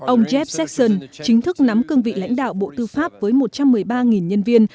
ông jav sacson chính thức nắm cương vị lãnh đạo bộ tư pháp với một trăm một mươi ba nhân viên